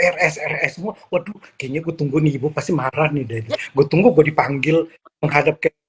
rs rsmu waduh kayaknya gue tunggu nih ibu pasti marah nih gue tunggu gue dipanggil menghadap ke